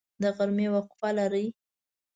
د غرمې وقفه لرئ؟